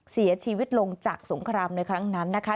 เสียชีวิตลงจากสงครามในครั้งนั้นนะคะ